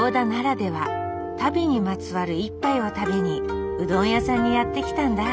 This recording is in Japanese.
足袋にまつわる一杯を食べにうどん屋さんにやって来たんだ。